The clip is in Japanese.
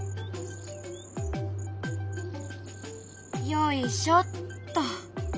よいしょっと。